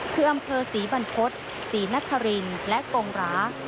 คือเอมเภอสรีบรรพสสรีนธรินและกูงระ